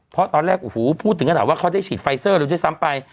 เพราะตอนแรกพูดถึงกระด่าวว่าเขาได้ฉีดไฟเซอร์แล้วด้วยซ้ำไป